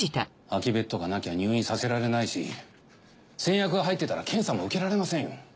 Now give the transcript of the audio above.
空きベッドがなきゃ入院させられないし先約が入ってたら検査も受けられませんよ。